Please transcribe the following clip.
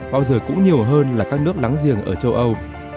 bao giờ cũng nhiều hơn là các nước láng giềng ở châu âu